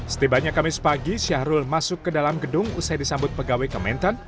setibanya kamis pagi syahrul masuk ke dalam gedung usai disambut pegawai kementan